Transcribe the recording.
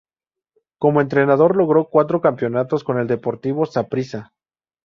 Como entrenador logró cuatro campeonatos con el Deportivo Saprissa.